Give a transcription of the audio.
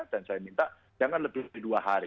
dan saya minta jangan lebih dari dua hari